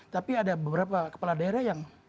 tapi ada beberapa kepala daerah yang